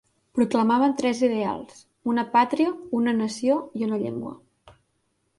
Proclamaven tres ideals, una pàtria, una nació i una llengua.